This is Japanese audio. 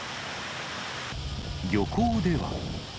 漁港では。